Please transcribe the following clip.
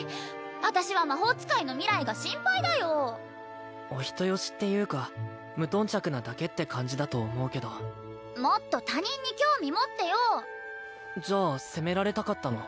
私は魔法使いの未来が心配だよお人よしっていうか無頓着なだけって感じだと思うけどもっと他人に興味持ってよじゃあ責められたかったの？